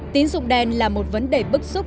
tín dụng đen là một vấn đề bức xúc